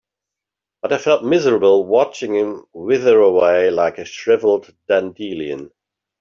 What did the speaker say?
But I felt miserable watching him wither away like a shriveled dandelion.